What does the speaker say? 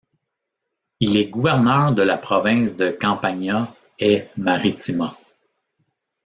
Il est gouverneur de la province de Campagna e Marittima.